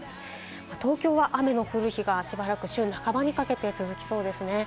東京は雨の降る日がしばらく週半ばにかけて続きそうですね。